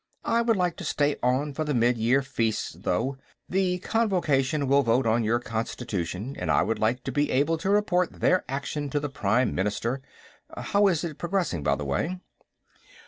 "I would like to stay on for the Midyear Feasts, though. The Convocation will vote on your constitution, and I would like to be able to report their action to the Prime Minister. How is it progressing, by the way?"